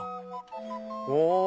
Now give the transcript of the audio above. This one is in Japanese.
お！